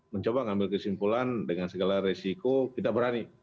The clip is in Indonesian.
mencoba ngambil kesimpulan dengan segala resiko kita berani